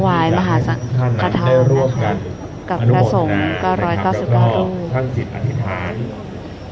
กับพระสงก้าร้อยเก้าสิบเก้ารูป